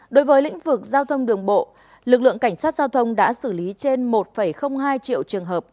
đối với lĩnh vực giao thông đường bộ lực lượng cảnh sát giao thông đã xử lý trên một hai triệu trường hợp